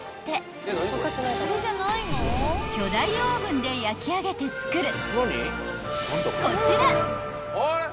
［巨大オーブンで焼きあげて作る］